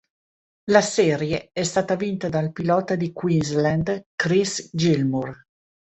La serie è stata vinta dal pilota di Queensland Chris Gilmour.